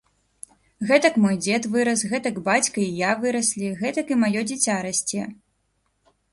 Гэтак мой дзед вырас, гэтак бацька і я выраслі, гэтак і маё дзіця расце.